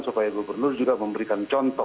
supaya gubernur juga memberikan contoh